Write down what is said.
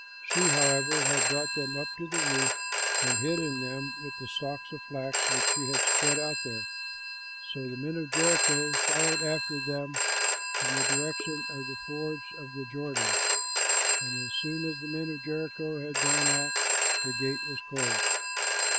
She, however, had brought them up to the roof and hidden them with the stalks of flax which she had spread out there. So the men of Jericho followed after them in the direction of the fords of the Jordan; and as soon as the men of Jericho had gone out, the gate was closed.